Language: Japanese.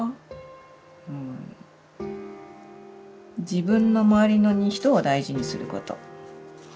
「自分のまわりの人を大事にすること」。